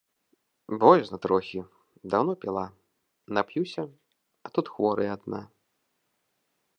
Боязна трохі, даўно піла, нап'юся, а тут хворая адна.